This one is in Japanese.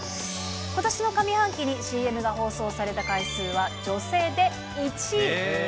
ことしの上半期にＣＭが放送された回数は女性で１位。